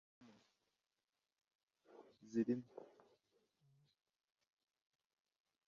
zirimo